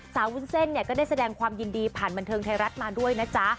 วุ้นเส้นเนี่ยก็ได้แสดงความยินดีผ่านบันเทิงไทยรัฐมาด้วยนะจ๊ะ